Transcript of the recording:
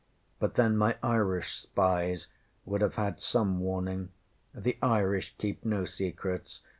But then my Irish spies would have had some warning. The Irish keep no secrets.